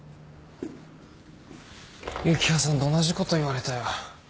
幸葉さんと同じこと言われたよ。